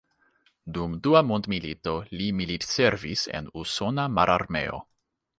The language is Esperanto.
Dum Dua Mondmilito li militservis en usona mararmeo.